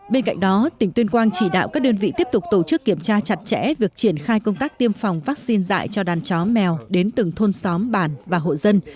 bên cạnh đó tỉnh tuyên quang chỉ đạo các đơn vị tiếp tục tổ chức kiểm tra chặt chẽ việc triển khai công tác tiêm phòng vaccine dạy cho đàn chó mèo đến từng thôn xóm bản và hộ dân